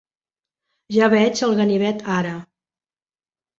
Ja veig el ganivet ara.